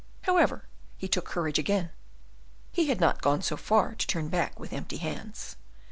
However, he took courage again: he had not gone so far to turn back with empty hands.